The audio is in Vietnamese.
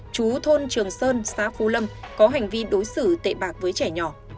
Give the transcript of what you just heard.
chú thôn trường sơn xã phú lâm có hành vi đối xử tệ bạc với trẻ nhỏ